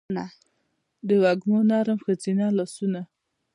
دوږمو نرم ښځینه لا سونه